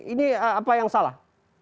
ini apa yang salah